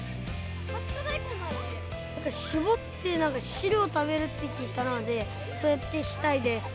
なんか、しぼって汁を食べるって聞いたので、そうやってしたいです。